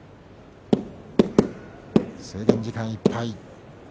制限時間いっぱい。